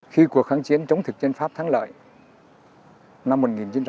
khi cuộc kháng chiến chống thực dân pháp thắng lợi năm một nghìn chín trăm năm mươi bốn